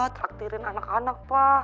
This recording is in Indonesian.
traktirin anak anak pa